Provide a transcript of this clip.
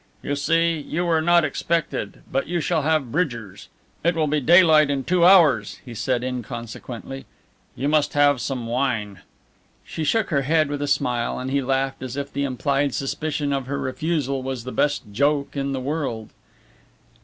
"You see, you were not expected, but you shall have Bridgers'. It will be daylight in two hours," he said inconsequently, "you must have some wine." She shook her head with a smile, and he laughed as if the implied suspicion of her refusal was the best joke in the world.